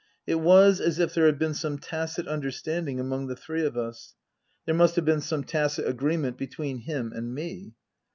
It was as if there had been some tacit understanding among the three of us ; there must have been some tacit agreement between him and me.